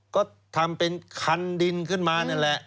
ก็ทำเป็นคันดินขึ้นมานั่นแหละ